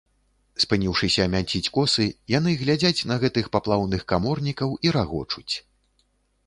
Спыніўшыся мянціць косы, яны глядзяць на гэтых паплаўных каморнікаў і рагочуць.